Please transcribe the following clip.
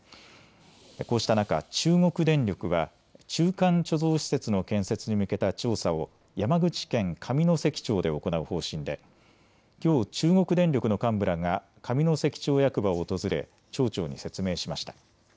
こうした中、中国電力は中間貯蔵施設の建設に向けた調査を山口県上関町で行う方針できょう中国電力の幹部らが上関町役場を訪れ町長に説明しました。